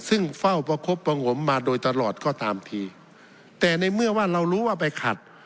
ซึ่งเฝ้าประคบประงมมาโดยตลอดก็ตามทีแต่ในเมื่อว่าเรารู้ว่าไปขัด